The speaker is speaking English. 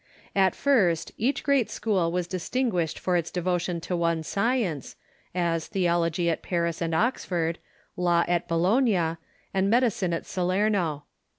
At first, each great school was distinguished for its devotion to one science, as theology at I^aris and Oxford, law at Bologna, and medicine at Salerno.